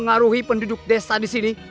mengaruhi penduduk desa di sini